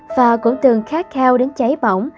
và cũng từng khát khao đến cháy bỏng